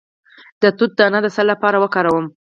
د توت دانه د څه لپاره وکاروم؟